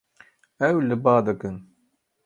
Ew li ba dikin.